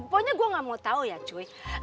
pokoknya gue gak mau tau ya cuy